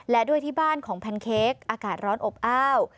และด้วยที่บ้านของแพนเค้กอากาศร้อนอบอ้าว